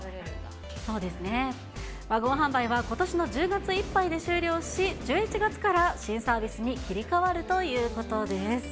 ワゴン販売はことしの１０月いっぱいで終了し、１１月から新サービスに切り替わるということです。